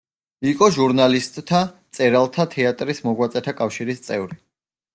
იყო ჟურნალისტთა, მწერალთა, თეატრის მოღვაწეთა კავშირის წევრი.